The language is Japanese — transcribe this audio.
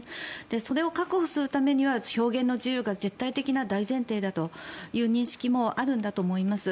それを確保するためには表現の自由が絶対的な大前提だという認識もあるんだと思います。